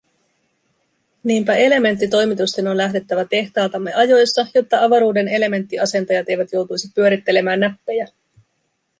Niinpä elementtitoimitusten on lähdettävä tehtaaltamme ajoissa, jotta avaruuden elementtiasentajat eivät joutuisi pyörittelemään näppejään.